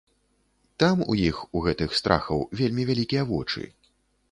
Там у іх, у гэтых страхаў, вельмі вялікія вочы.